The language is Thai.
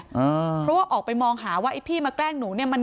เพราะว่าออกไปมองหาว่าไอ้พี่มาแกล้งหนูเนี่ย